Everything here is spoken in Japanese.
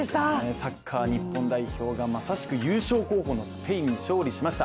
サッカー日本代表がまさしく優勝候補のスペインに勝利しました。